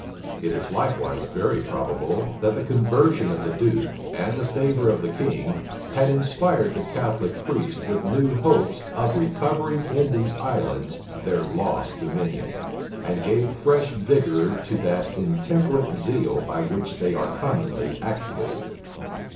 It is likewise very probable, that the conversion of the duke, and the favor of the king, had inspired the Catholic priests with new hopes of recovering in these islands their lost dominion, and gave fresh vigor to that intemperate zeal by which they are commonly actuated.